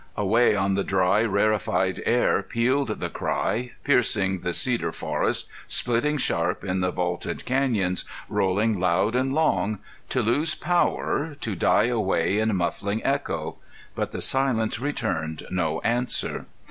Away on the dry rarified air pealed the cry, piercing the cedar forest, splitting sharp in the vaulted canyons, rolling loud and long, to lose power, to die away in muffling echo. But the silence returned no answer.